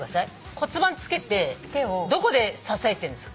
骨盤つけてどこで支えてるんですか？